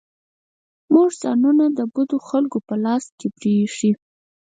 موږ ځانونه د بدو خلکو په لاس کې پرېښي.